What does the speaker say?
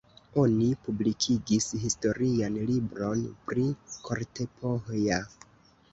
Oni publikigis historian libron pri Kortepohja.